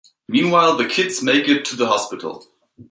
Meanwhile, the kids make it to the hospital.